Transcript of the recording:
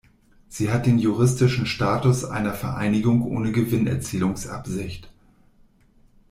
Sie hat den juristischen Status einer Vereinigung ohne Gewinnerzielungsabsicht.